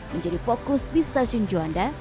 menjadi fokus di stasiun juanda